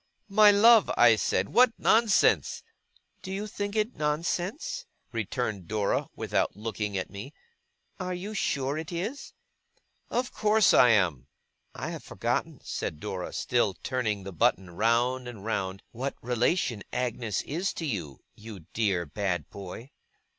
'My love!' said I, 'what nonsense!' 'Do you think it is nonsense?' returned Dora, without looking at me. 'Are you sure it is?' 'Of course I am!' 'I have forgotten,' said Dora, still turning the button round and round, 'what relation Agnes is to you, you dear bad boy.